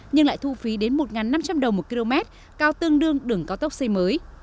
nhưng lại thu phí đến một năm trăm linh đồng một km cao tương đương đường cao tốc xây mới